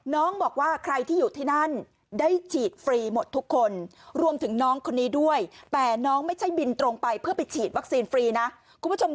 น้องบอกว่าใครที่อยู่ที่นั่นได้ฉีดฟรีหมดทุกคน